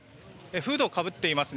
フードをかぶっていますね。